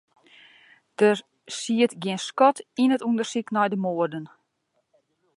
Der siet gjin skot yn it ûndersyk nei de moarden.